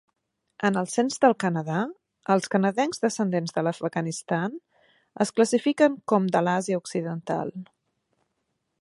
En el cens del Canadà, els canadencs descendents d'Afganistan es classifiquen com de l'Àsia Occidental.